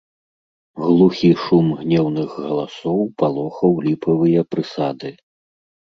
Глухі шум гнеўных галасоў палохаў ліпавыя прысады.